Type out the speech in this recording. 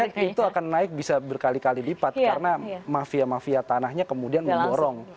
tapi itu akan naik bisa berkali kali lipat karena mafia mafia tanahnya kemudian memborong